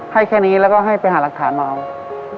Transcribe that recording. ให้แค่นี้แล้วก็ให้ไปหารักฐานมาเอา